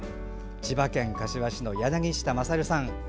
千葉県柏市の柳下勝さん。